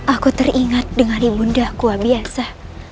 aku teringat dengan ribu dahkuah biasa